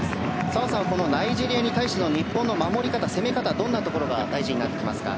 澤さんはナイジェリアに対しての日本の守り方そして攻め方、どんなところが大事になってきますか。